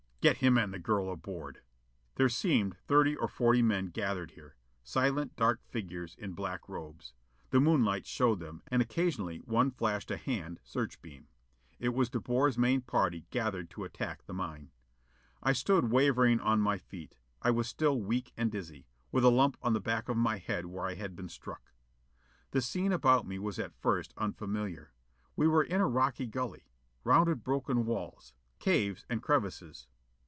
Get him and the girl aboard." There seemed thirty or forty men gathered here. Silent dark figures in black robes. The moonlight showed them, and occasionally one flashed a hand search beam. It was De Boer's main party gathered to attack the mine. I stood wavering on my feet. I was still weak and dizzy, with a lump on the back of my head where I had been struck. The scene about me was at first unfamiliar. We were in a rocky gully. Rounded broken walls. Caves and crevices.